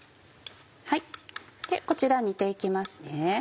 こちら煮て行きますね。